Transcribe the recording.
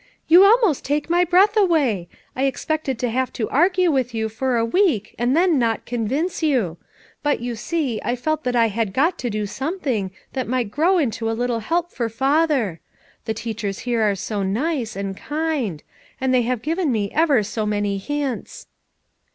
"You almost take my breath away ! I expected to have to argue with you for a week and then not convince you. But, you see, I felt that I had got to do some thing that might grow into a little help for Father. The teachers here are so nice, and kind; they have given me ever so many hints.